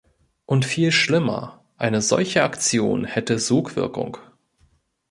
Und viel schlimmer – eine solche Aktion hätte Sogwirkung.